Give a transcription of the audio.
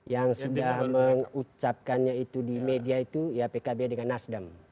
yang sudah mengucapkannya itu di media itu ya pkb dengan nasdem